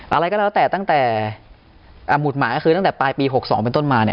อะไรก็แล้วแต่ตั้งแต่หมุดหมายก็คือตั้งแต่ปลายปี๖๒เป็นต้นมาเนี่ย